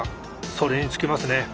それに尽きますね。